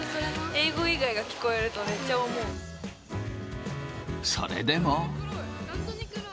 英語以外が聞こえると、それでも。